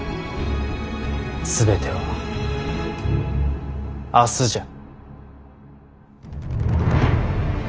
全ては明日じゃ。